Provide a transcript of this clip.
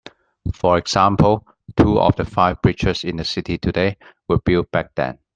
For example, two of the five bridges in the city today were built back then.